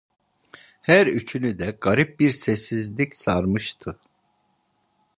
Her üçünü de garip bir sessizlik sarmıştı.